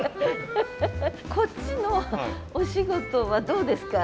こっちのお仕事はどうですか？